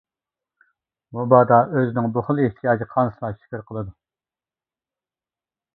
مۇبادا ئۆزىنىڭ بۇ خىل ئېھتىياجى قانسىلا شۈكرى قىلىدۇ.